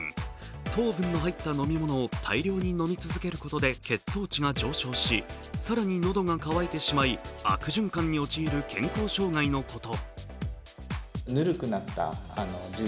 糖分の入った飲み物を、大量に飲み続けることで、血糖値が上昇し、更に喉が渇いてしまい、悪循環に陥る健康障害のこと。